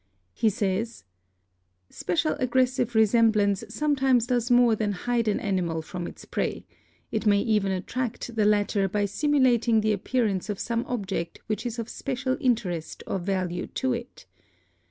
He says: 286 BIOLOGY "Special Aggressive Resemblance sometimes does more than hide an animal from its prey; it may even attract frhe latter by simulating the appearance of some object which is of special interest or value to it.